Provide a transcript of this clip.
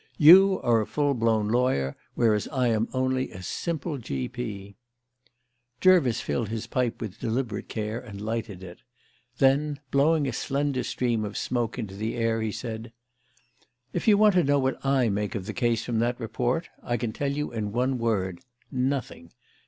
You are a full blown lawyer, whereas I am only a simple G.P." Jervis filled his pipe with deliberate care and lighted it. Then, blowing a slender stream of smoke into the air, he said: "If you want to know what I make of the case from that report, I can tell you in one word nothing.